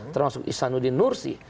termasuk islanuddin nursi